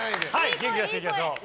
元気出していきましょう！